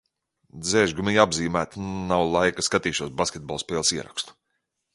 Dzēšgumija apzīmēta, nav laika, skatīšos basketbola spēles ierakstu.